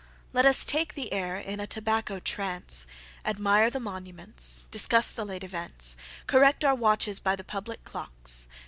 —Let us take the air, in a tobacco trance, Admire the monuments, Discuss the late events, Correct our watches by the public clocks.